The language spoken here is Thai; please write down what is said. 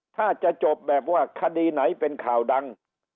ถ้าจะจบแบบว่าคดีไหนเป็นข่าวดัง